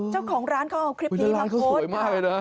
เจ้าของร้านเขาเอาคลิปนี้มาโค้ช